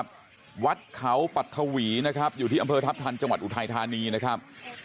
สวัสดีครับสวัสดีครับ